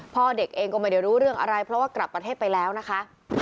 พ่อเด็กเองก็ไม่ได้รู้เรื่องอะไรเพราะว่ากลับประเทศไปแล้วนะคะ